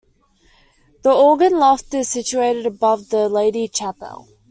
The organ loft is situated above the Lady Chapel.